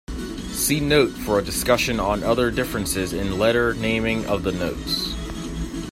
See note for a discussion on other differences in letter naming of the notes.